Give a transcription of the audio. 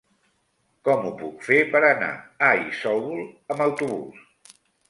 Com ho puc fer per anar a Isòvol amb autobús?